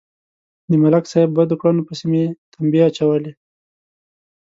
د ملک صاحب بدو کړنو پسې مې تمبې اچولې.